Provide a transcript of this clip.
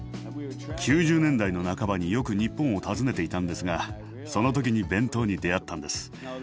９０年代の半ばによく日本を訪ねていたんですがその時に弁当に出会ったんです。